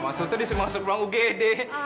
mas ustaz disini masuk uang ugd